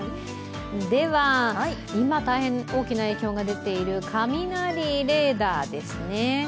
では、今大変大きな影響が出ている、雷レーダーですね。